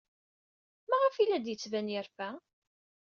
Maɣef ay la d-yettban yerfa?